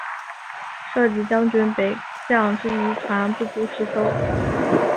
设籍将军北港之渔船不足十艘。